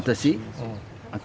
私？